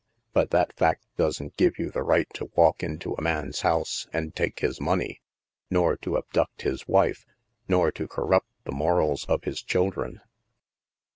But that fact doesn't give you the right to wallc into a man's house and take his money, nor to abduct his wife, nor to corrupt the morals of his children.